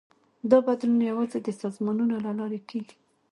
دا بدلون یوازې د سازمانونو له لارې کېږي.